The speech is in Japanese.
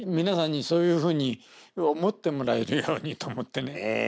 皆さんにそういうふうに思ってもらえるようにと思ってね。